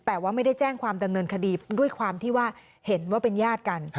แต่ว่าไม่ได้แจ้งความดำเนินคดีด้วยความที่ว่าเห็นว่าเป็นญาติกัน